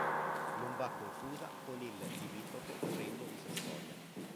Non va confusa con il limitrofo Regno di Sassonia.